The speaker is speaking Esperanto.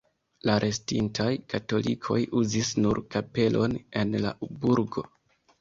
La restintaj katolikoj uzis nur kapelon en la burgo.